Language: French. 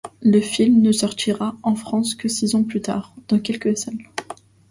Le film ne sortira en France que six ans plus tard, dans quelques salles.